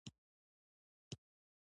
خبره له زړه که نه وي، تاثیر نه لري